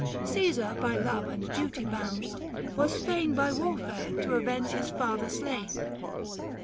Caesar by love and duty bound, was fain 760 By warfare to avenge his father slain.